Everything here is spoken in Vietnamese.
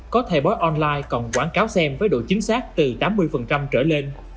có thể bói online còn quảng cáo xem với độ chính xác từ tám mươi trở lên